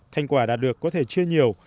thanh quả đạt được có thể chưa nhiều